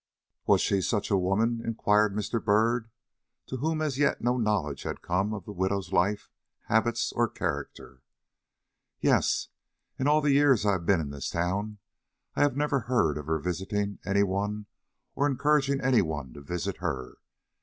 "Was she such a woman?" inquired Mr. Byrd, to whom as yet no knowledge had come of the widow's life, habits, or character. "Yes. In all the years I have been in this town I have never heard of her visiting any one or encouraging any one to visit her.